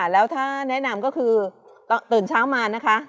แล้วถ้าแนะนำก็คือตื่นเช้ามานะคะ